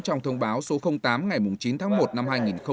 trong thông báo số tám ngày chín tháng một năm hai nghìn hai mươi